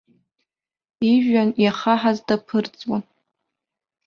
Ижәҩан иахаҳаз даԥырҵуан.